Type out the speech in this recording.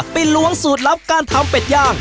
ล้วงสูตรลับการทำเป็ดย่าง